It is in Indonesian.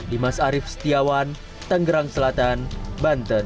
dimas arief setiawan tanggerang selatan banten